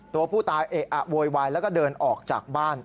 ตัวผู้ตายเอะอะโวยวายแล้วก็เดินออกจากบ้าน